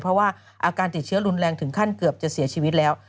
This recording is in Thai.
เพราะว่าอาการติดเชื้อรุนแรงถึงขั้นเกือบจะเสียชีวิตแล้ว